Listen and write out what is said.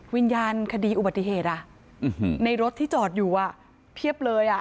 วิญญาณคดีอุบัติเหตุในรถที่จอดอยู่เพียบเลยอ่ะ